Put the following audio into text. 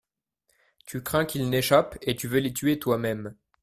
Tu crains qu'ils n'échappent, et tu veux les tuer toi-même.